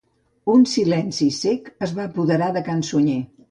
Un silenci cec es va apoderar de can Sunyer.